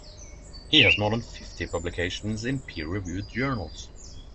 He has more than fifty publications in peer reviewed Journals.